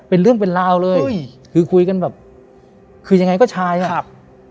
เป็นเรื่องเป็นราวเลยอุ้ยคือคุยกันแบบคือยังไงก็ชายอ่ะครับ